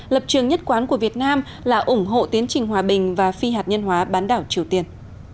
lập trường nhất quán của việt nam là ủng hộ tiến trình hòa bình và phi hạt nhân hóa bán đảo triều tiên